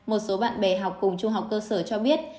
một số bạn bè học cùng trung học cơ sở cho biết